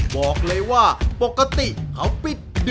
บอกเลยว่าปกติเขาปิด